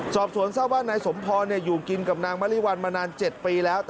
สอบสวนทราบว่านายสมพรอยู่กินกับนางมะลิวัลมานาน๗ปีแล้ว